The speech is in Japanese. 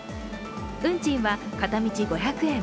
運賃は片道５００円。